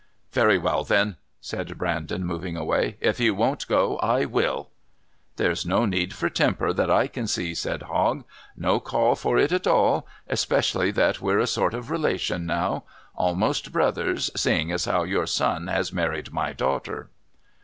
"Very well, then," said Brandon, moving away. "If you won't go, I will." "There's no need for temper that I can see," said Hogg. "No call for it at all, especially that we're a sort of relation now. Almost brothers, seeing as how your son has married my daughter."